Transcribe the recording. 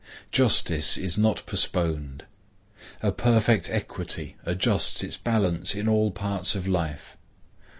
Justice is not postponed. A perfect equity adjusts its balance in all parts of life.